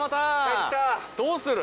どうする？